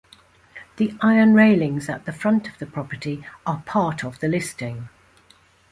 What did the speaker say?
The iron railings at the front of the property are part of the listing.